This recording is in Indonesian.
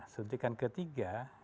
nah suntikan ketiga